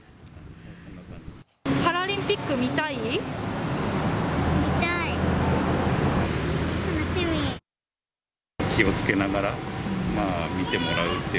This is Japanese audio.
パラリンピック見たい？